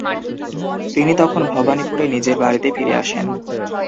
তিনি তখন ভবানীপুরে নিজের বাড়িতে ফিরে আসেন ।